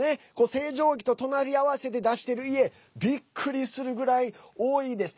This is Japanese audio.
星条旗と隣り合わせで出してる家びっくりするぐらい多いです。